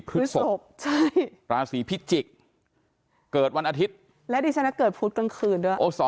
พฤศพราศีพิจิกษ์เกิดวันอาทิตย์และดิฉันเกิดพุธกลางคืนด้วย